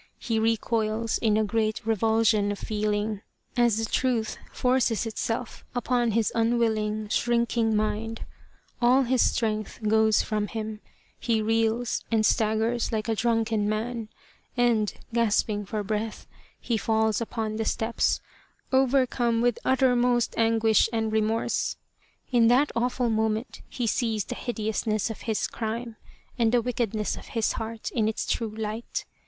He recoils in a great revulsion of feeling as the truth 76 The Tragedy of Kesa Gozen forces itself upon his unwilling, shrinking mind, all his strength goes from him, he reels and staggers like a drunken man, and gasping for breath, he falls upon the steps overcome with uttermost anguish and re morse. In that awful moment he sees the hideousness of his crime and the wickedness of his heart in its true light.